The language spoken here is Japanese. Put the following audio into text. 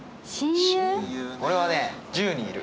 俺はね１０人いる。